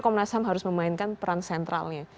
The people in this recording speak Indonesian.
komnas ham harus memainkan peran sentralnya